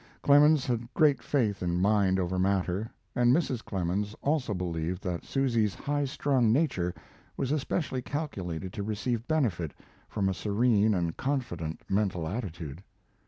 Clemens had great faith in mind over matter, and Mrs. Clemens also believed that Susy's high strung nature was especially calculated to receive benefit from a serene and confident mental attitude.